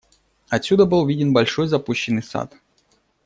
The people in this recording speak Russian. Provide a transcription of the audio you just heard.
Отсюда был виден большой запущенный сад.